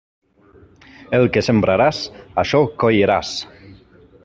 El que sembraràs, això colliràs.